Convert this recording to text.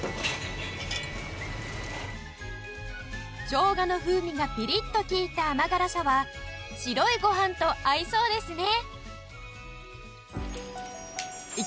しょうがの風味がピリッと効いた甘辛さは白いご飯と合いそうですね